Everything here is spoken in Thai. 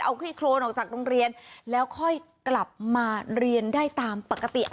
เอาคลี่โครนออกจากโรงเรียนแล้วค่อยกลับมาเรียนได้ตามปกติ